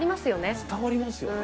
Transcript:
伝わりますよね。